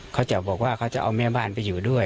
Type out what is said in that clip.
เขาบอกว่าเขาจะเอาแม่บ้านไปอยู่ด้วย